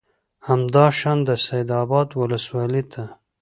همدا شان د سید آباد ولسوالۍ ته